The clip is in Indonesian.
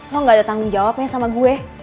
kok gak ada tanggung jawabnya sama gue